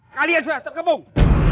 kalian sudah terkepung